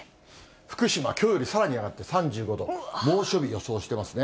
福島、きょうよりさらに上がって３５度、猛暑日予想してますね。